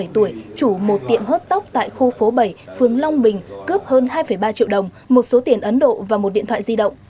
hai mươi bảy tuổi chủ một tiệm hớt tóc tại khu phố bảy phường long bình cướp hơn hai ba triệu đồng một số tiền ấn độ và một điện thoại di động